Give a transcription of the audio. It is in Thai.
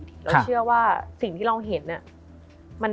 เราเชื่อว่าสิ่งที่เราเห็น